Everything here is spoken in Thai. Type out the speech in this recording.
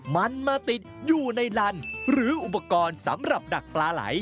มันมาติดอยู่ในลันหรืออุปกรณ์สำหรับดักปลาไหล